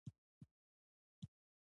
لوحه د زده کړې یوه مهمه وسیله وه.